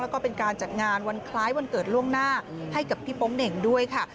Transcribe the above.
แล้วก็เป็นการจัดงานวันคล้ายวันเกิดล่วงหน้าให้กับพี่โป๊งเหน่งด้วยค่ะ